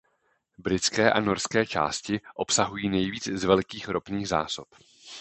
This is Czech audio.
Britské a norské části obsahují nejvíc z velkých ropných zásob.